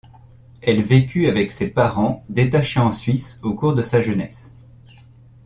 Elle vécut avec ses parents détachés en Suisse au cours de sa jeunesse.